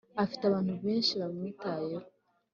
Afite abantu benshi bamwitayeho